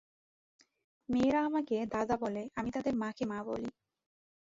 মেয়েরা আমাকে দাদা বলে, আমি তাদের মাকে মা বলি।